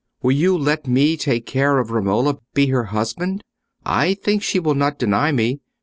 Will you let me take care of Romola—be her husband? I think she will not deny me.